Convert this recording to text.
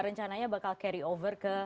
rencananya bakal carry over ke